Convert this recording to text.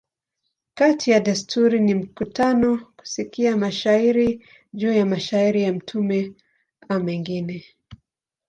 Kati ya desturi ni mikutano, kusikia mashairi juu ya maisha ya mtume a mengine.